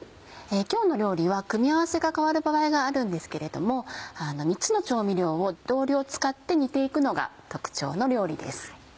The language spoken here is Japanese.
今日の料理は組み合わせが変わる場合があるんですけれども３つの調味料を同量使って煮て行くのが特徴の料理です。